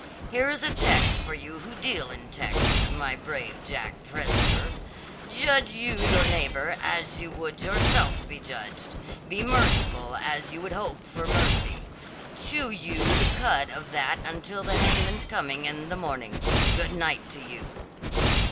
Here is a text for you who deal in texts, my brave Jack Presbyter 'Judge you your neighbour as you would yourself be judged; be merciful as you would hope for mercy.' Chew you the cud of that until the hangman's coming in the morning. Good night to you."